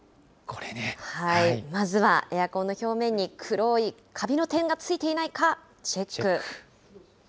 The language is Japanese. まずはエアコンの表面に、黒いカビの点がついていないかチェック。